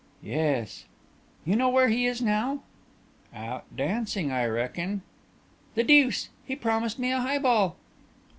"Yes." "You know where he is now?" "Out dancin', I reckin." "The deuce. He promised me a highball."